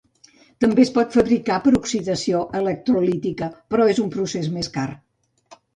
També es pot fabricar per oxidació electrolítica, però és un procés més car.